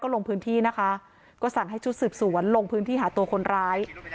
ลงพื้นที่นะคะก็สั่งให้ชุดสืบสวนลงพื้นที่หาตัวคนร้าย